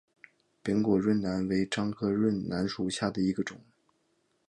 扁果润楠为樟科润楠属下的一个种。